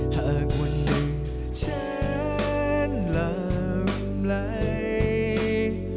หากวันหนึ่งฉันลำไหล